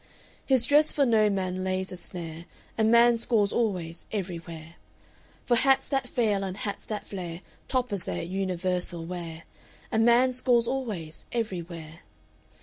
"His dress for no man lays a snare; A man scores always, everywhere. For hats that fail and hats that flare; Toppers their universal wear; A man scores always, everywhere.